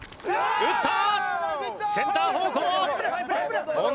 打ったな！